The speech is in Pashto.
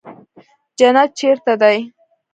جنت چېرته دى.